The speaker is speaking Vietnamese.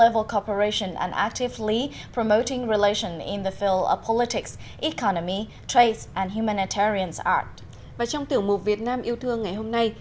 và trong tiểu mục việt nam yêu thương ngày hôm nay